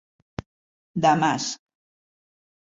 Damasc.